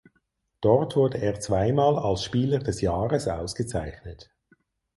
Dort wurde er zweimal als Spieler des Jahres ausgezeichnet.